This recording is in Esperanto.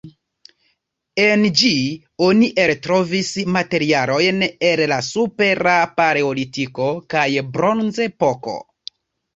En ĝi oni eltrovis materialojn el la Supera paleolitiko kaj Bronzepoko.